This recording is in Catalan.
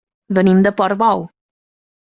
Venim de Portbou.